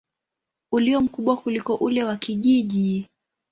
ulio mkubwa kuliko ule wa kijiji.